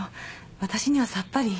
私にはさっぱり。